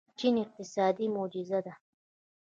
چین اقتصادي معجزه ده.